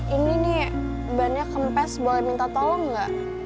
ini nih bannya kempes boleh minta tolong nggak